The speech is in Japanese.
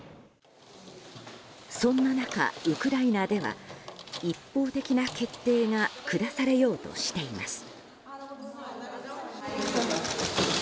そんな中、ウクライナでは一方的な決定が下されようとしています。